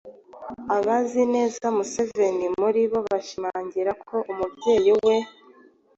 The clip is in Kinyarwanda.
Abazi neza Museveni muri bo bashimangira ko umubyeyi we